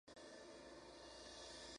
Ama era un campesino jornalero.